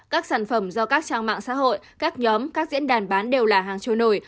các sản phẩm do các trang mạng xã hội các nhóm các diễn đàn bán đều là hàng trôi nổi